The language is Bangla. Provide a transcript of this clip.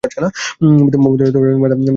পিতা মোহাববত আলী ও মাতা রহিমা খাতুন।